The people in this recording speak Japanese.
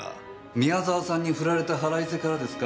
宮澤さんにふられた腹いせからですか？